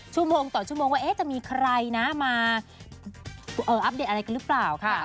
ชั่วโมงต่อชั่วโมงว่าจะมีใครนะมาอัปเดตอะไรกันหรือเปล่าค่ะ